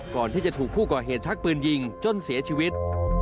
ก่อนที่จะถูกผู้ก่อเหตุชักปืนยิงจนเสียชีวิต